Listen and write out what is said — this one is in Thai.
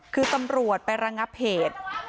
คือตำรวจไประงับเหตุ